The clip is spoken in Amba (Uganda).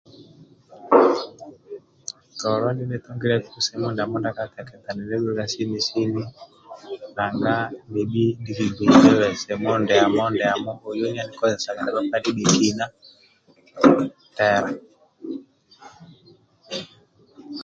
Kala ndie nitungiliaku simu ndiamo ndia kateketa nidhedhelia sini sini nanga nibhi ndie kigbeimbebe simu ndiamo ndiamo oiyoho yenikozesaga ndia bhakpa ndibhekina ka tela